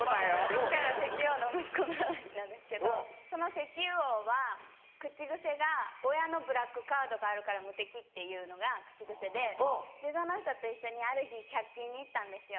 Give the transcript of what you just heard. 今回は石油王の息子の話なんですけどその石油王は口癖が「親のブラックカードがあるから無敵」っていうのが口癖ででその人と一緒にある日百均に行ったんですよ。